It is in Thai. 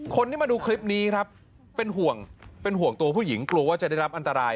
คนที่มาดูคลิปนี้ครับเป็นห่วงเป็นห่วงตัวผู้หญิงกลัวว่าจะได้รับอันตราย